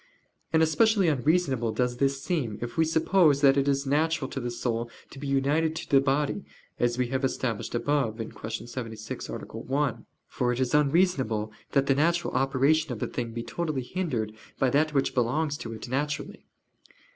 And especially unreasonable does this seem if we suppose that it is natural to the soul to be united to the body, as we have established above ([Q. 76] , A. 1): for it is unreasonable that the natural operation of a thing be totally hindered by that which belongs to it naturally.